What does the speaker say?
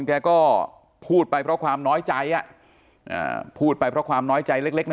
แกก็พูดไปเพราะความน้อยใจพูดไปเพราะความน้อยใจเล็กเล็กนะ